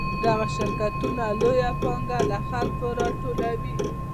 دغه شرکتونه لویه پانګه له خلکو راټولوي